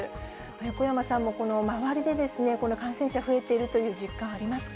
横山さんも、周りで感染者増えているという実感ありますか。